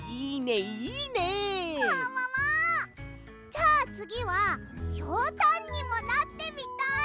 じゃあつぎはひょうたんにもなってみたい！